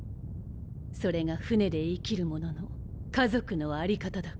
それが船で生きる者の家族の在り方だ。